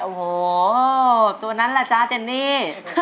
โอ้โหส่วนนั้นแหละจ้าเจนี่